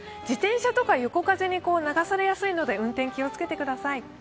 自転車とか横風に流されやすいので今日は運転に気をつけてください。